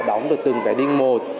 đóng được từng cái đinh một